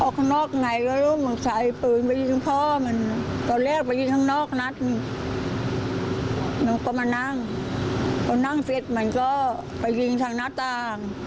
พอเขานั่งพอนั่งเสร็จมันก็ไปยิงทางหน้าต่าง